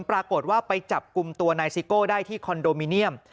ปรากฏว่าไปจับกลุ่มตัวนายซิโก้ได้ที่คอนโดมิเนียม